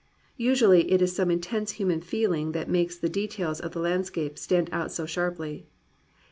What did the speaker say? Usually it is some intense human feeling that makes the details of the landscape stand out so sharply.